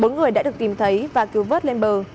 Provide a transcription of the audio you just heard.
bốn người đã được tìm thấy và cứu vớt lên bờ